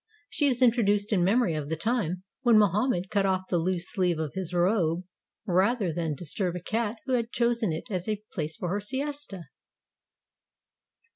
She is introduced in memory of the time when Mohammed cut off the loose sleeve of his robe rather than disturb a cat who had chosen it as the place for her siesta.